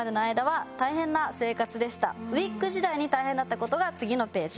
ウィッグ時代に大変だった事が次のページ。